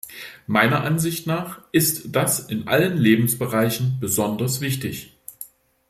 Meiner Ansicht nach ist das in allen Lebensbereichen besonders wichtig.